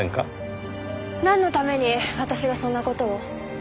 なんのために私がそんな事を？